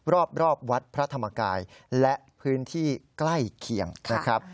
รอบวัดพระธรรมกายและพื้นที่ใกล้เคียงนะครับ